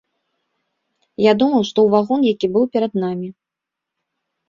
Я думаў, што ў вагон, які быў перад намі.